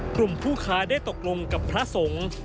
กลุ่มผู้ค้าได้ตกลงกับพระสงฆ์